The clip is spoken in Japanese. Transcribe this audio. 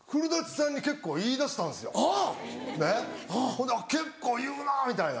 ほな結構言うなみたいな。